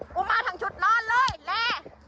กูมาทางชุดนอนเลยแล